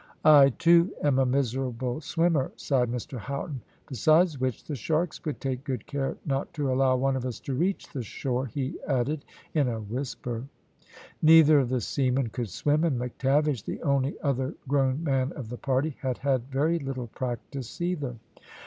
"I, too, am a miserable swimmer," sighed Mr Houghton. "Besides which, the sharks would take good care not to allow one of us to reach the shore," he added, in a whisper. Neither of the seamen could swim, and McTavish, the only other grown man of the party, had had very little practice either.